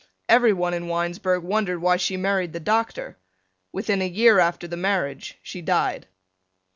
Everyone in Winesburg wondered why she married the doctor. Within a year after the marriage she died.